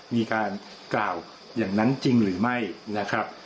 มีการกล่าวอย่างนั้นจริงหรือไม่นะครับ